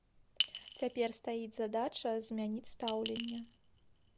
Цяпер стаіць задача змяніць стаўленне.